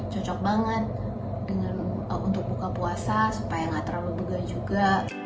cocok banget untuk buka puasa supaya nggak terlalu bega juga